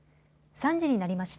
３時になりました。